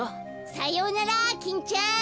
さようならキンちゃん。